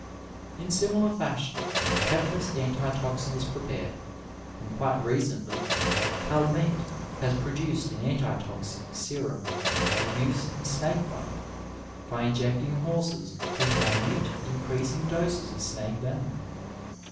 In similar fashion tetanus antitoxin is prepared; and quite recently Calmette has produced an antitoxic serum for use in snake bite, by injecting horses with minute in creasing doses of snake venom.